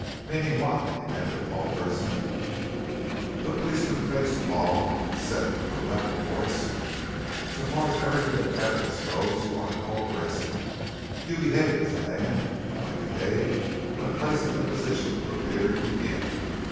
"Meaning what?" demanded Paul Grayson. The policeman faced Paul and said with a level voice: "So far as every bit of evidence goes, you are Paul Grayson. You behave as a man might behave when placed in the position you appear to be in.